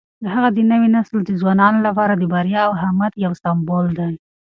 هغه د نوي نسل د ځوانانو لپاره د بریا او همت یو سمبول دی.